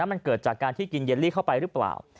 มันเกิดจากการที่กินเยลลี่เข้าไปหรือเปล่า